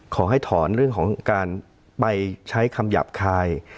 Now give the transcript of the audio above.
ขอให้ถอนเรื่องของการไปใช้คำหยาบคาย